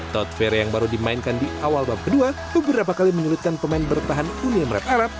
todvere yang baru dimainkan di awal babak kedua beberapa kali menyulitkan pemain bertahan uni emirat arab